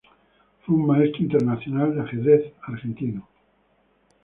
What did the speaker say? Fue un Maestro Internacional de ajedrez argentino.